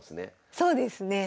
そうですね。